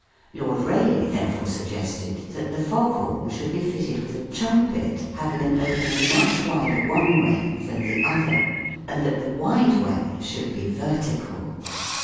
Lord Rayleigh therefore suggested that the fog horn should be fitted with a trumpet having an opening much wider one way than the other ; and that the wide way should be vertical.